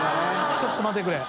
ちょっと待ってくれ。